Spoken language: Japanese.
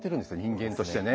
人間としてね。